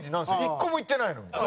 １個も行ってないのに。